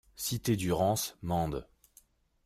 Cité du Rance, Mende